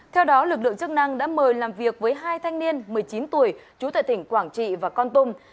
theo đó lực lượng chức năng đã mời làm việc với hai thanh niên một mươi chín tuổi trú tại tỉnh quảng trị và con tum